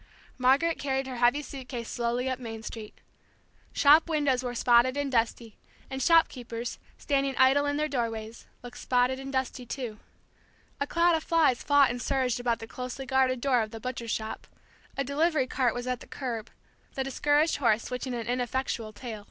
Margaret carried her heavy suit case slowly up Main Street. Shop windows were spotted and dusty, and shopkeepers, standing idle in their doorways, looked spotted and dusty too. A cloud of flies fought and surged about the closely guarded door of the butcher shop; a delivery cart was at the curb, the discouraged horse switching an ineffectual tail.